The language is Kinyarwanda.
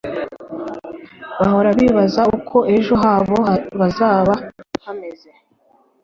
bahora bibaza uko ejo habo bazaba hameze